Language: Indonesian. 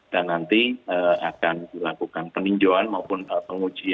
di antara pssi dan juga pihak jis